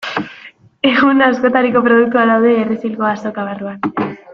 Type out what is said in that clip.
Egun, askotariko produktuak daude Errezilgo Azoka barruan.